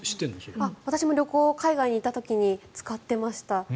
私も、旅行海外に行った時、使ってました。